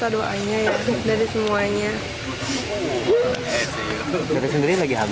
dari sendiri lagi hamil